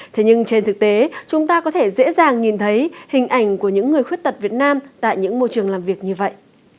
thế nhưng trên thực tế chúng ta có thể dễ dàng nhìn thấy hình ảnh của những người khuyết tật việt nam tại những môi trường làm việc như vậy